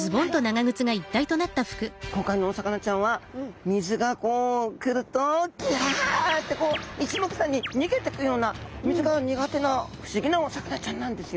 今回のお魚ちゃんは水がこう来ると「ギャ！」って一目散に逃げてくような水が苦手な不思議なお魚ちゃんなんですよ。